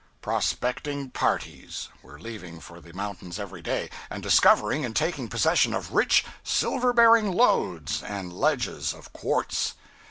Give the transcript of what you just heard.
"Prospecting parties" were leaving for the mountains every day, and discovering and taking possession of rich silver bearing lodes and ledges of quartz.